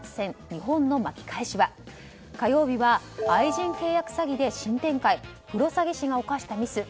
日本の巻き返しは火曜日は愛人契約詐欺で新展開プロの詐欺師が犯したミス